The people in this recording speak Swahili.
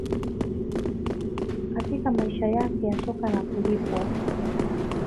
Katika maisha yake ya soka la kulipwa